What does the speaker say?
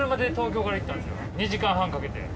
２時間半かけて。